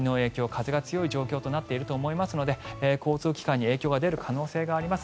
風が強い状況となっていると思いますので交通機関に影響が出る可能性があります。